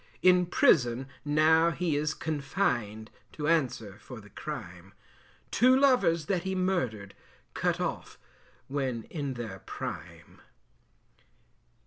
In prison now he is confined, To answer for the crime. Two lovers that he murdered, Cut off when in their prime.